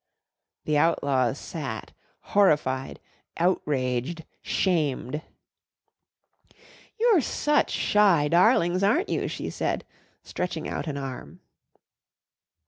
The Outlaws sat horrified, outraged, shamed. "You're such shy darlings, aren't you?" she said, stretching out an arm.